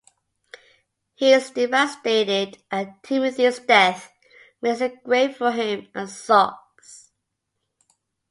He is devastated at Timothy's death, makes a grave for him, and sobs.